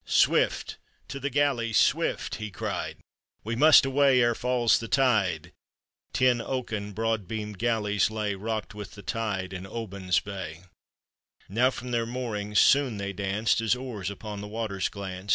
"Swift, to the galleys, swift!" he cried, " We must away ere falls the tide." Ten oaken, broad beamed galleys lay, Hocked with the tide, in Oban's bay, Now from their moorings soon they danced, As oars upon the waters glanced.